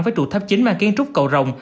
với trụ tháp chính mang kiến trúc cầu rồng